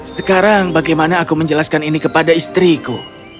sekarang bagaimana aku menjelaskan ini kepada istriku